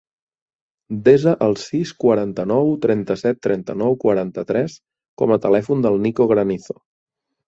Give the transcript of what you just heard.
Desa el sis, quaranta-nou, trenta-set, trenta-nou, quaranta-tres com a telèfon del Nico Granizo.